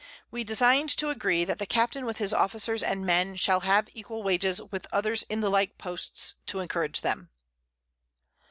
We design to agree, that the Captain with his Officers and Men shall have equal Wages with others in the like Posts, to encourage them.